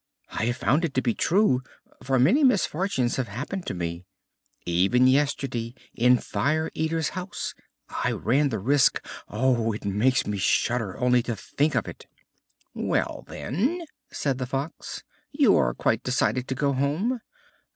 I have found it to be true, for many misfortunes have happened to me. Even yesterday in Fire Eater's house I ran the risk Oh! it makes me shudder only to think of it!" "Well, then," said the Fox, "you are quite decided to go home?